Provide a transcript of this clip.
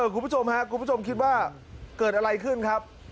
คุณผู้ชมคิดว่าเกิดอะไรขึ้นครับ